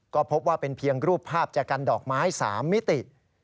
ก็พบว่าเป็นเพียงรูปภาพจากกันดอกไม้๓มิติ